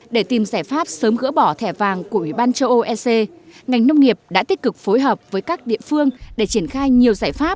để tìm giải pháp sớm gỡ bỏ thẻ vàng của ủy ban châu âu ec ngành nông nghiệp đã tích cực phối hợp với các địa phương để triển khai nhiều giải pháp